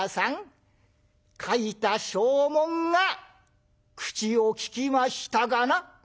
書いた証文が口を利きましたかな？」。